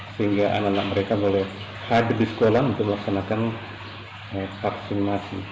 sehingga anak anak mereka boleh hadir di sekolah untuk melaksanakan vaksinasi